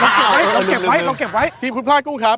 อย่าไปบอกเขาเราเก็บไว้